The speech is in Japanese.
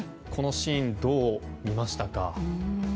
このシーン、どう見ましたか。